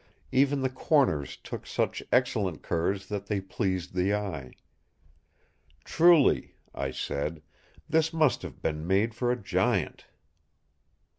Even the corners took such excellent curves that they pleased the eye. "Truly," I said, "this must have been made for a giant!"